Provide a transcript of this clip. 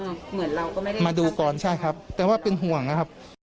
เหมือนเราก็ไม่ได้เห็นครับแต่ว่าเป็นห่วงนะครับ